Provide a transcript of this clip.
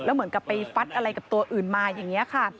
เหมือนกับไปฟัดอะไรกับตัวอื่นมาอย่างนี้ค่ะ